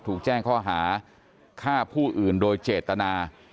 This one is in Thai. ถูกแจ้งข้อหาฆ่าผู้อื่นโดยเจตนา